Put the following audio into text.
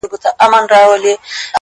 د وخت مجنون يم ليونى يمه زه ـ